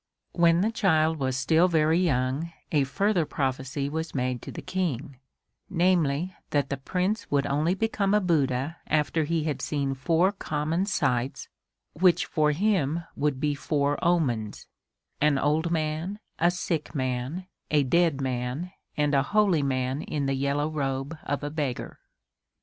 When the child was still very young a further prophecy was made to the King namely that the Prince would only become a Buddha after he had seen four common sights which for him would be four omens an old man, a sick man, a dead man and a holy man in the yellow robe of a beggar.